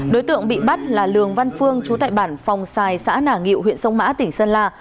đối tượng bị bắt là lương văn phương chú tại bản phòng xài xã nả nghiệu huyện sông mã tỉnh sơn la